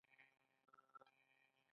د ورېښمو چینجي روزل کیږي؟